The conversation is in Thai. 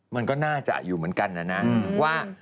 แกนี่น่าจะอยู่เหมือนกันนะ